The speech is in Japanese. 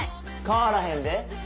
変わらへんで。